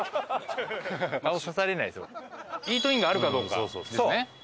イートインがあるかどうかですね？